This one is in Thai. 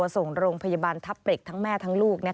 ไปส่งลงพยาบาลทัพเปรคทั้งแม่ทั้งลูก